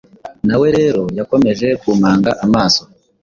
Nawe rero yakomeje kumpanga amaso